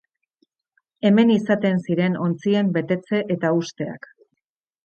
Hemen izaten ziren ontzien betetze eta husteak.